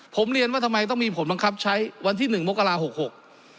ผมเรียนว่าทำไมต้องมีผลบังคับใช้วันที่หนึ่งมกราหกหก